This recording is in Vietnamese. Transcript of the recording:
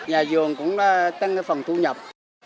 nhà vườn cũng tăng phần thu nhập